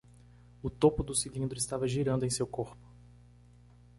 O topo do cilindro estava girando em seu corpo.